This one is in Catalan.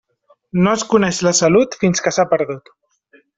No es coneix la salut fins que s'ha perdut.